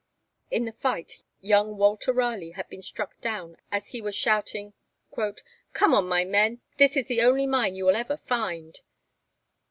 In the fight young Walter Raleigh had been struck down as he was shouting 'Come on, my men! This is the only mine you will ever find.'